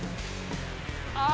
あ。